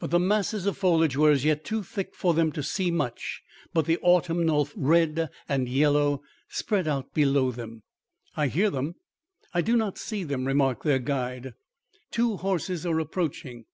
But the masses of foliage were as yet too thick for them to see much but the autumnal red and yellow spread out below them. "I hear them; I do not see them," remarked their guide. "Two horses are approaching."